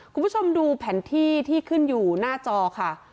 คุณผู้ชมดูแผนที่ที่ขึ้นอยู่หน้าจอค่ะ